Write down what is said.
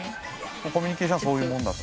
コミュニケーションはそういうもんだと。